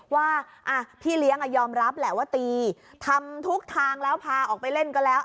ว่าพี่เลี้ยงยอมรับแหละว่าตีทำทุกทางแล้วพาออกไปเล่นก็แล้ว